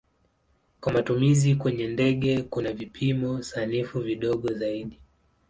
Kwa matumizi kwenye ndege kuna vipimo sanifu vidogo zaidi.